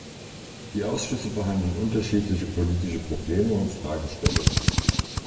Die Ausschüsse behandeln unterschiedliche politische Probleme und Fragestellungen.